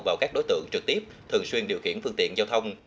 vào các đối tượng trực tiếp thường xuyên điều khiển phương tiện giao thông